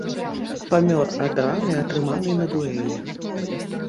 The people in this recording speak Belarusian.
Памёр ад раны атрыманай на дуэлі.